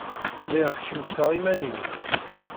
Lliɣ kemseɣ iman-inu.